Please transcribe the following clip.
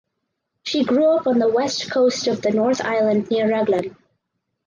She grew up on the west coast of the North Island near Raglan.